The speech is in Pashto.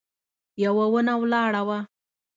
يوه ونه ولاړه وه.